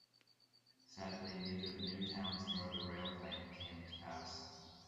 Sadly, neither the new towns nor the Railplane came to pass.